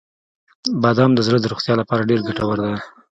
• بادام د زړه د روغتیا لپاره ډیره ګټور دی.